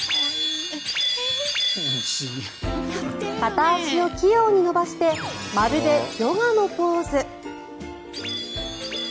片足を器用に伸ばしてまるでヨガのポーズ。